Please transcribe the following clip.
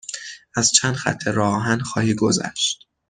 از چند خط راه آهن خواهی گذشت.